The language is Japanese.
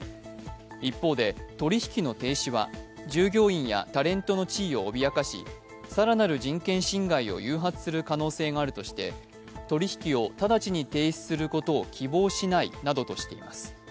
一方で、取り引きの停止は従業員やタレントの地位を脅かし更なる人権侵害を誘発する可能性があるとして取り引きを直ちに停止することを希望しないなどとしています。